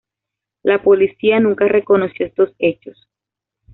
La policía nunca reconoció estos hechos.